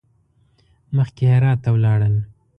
مخکې هرات ته ولاړل.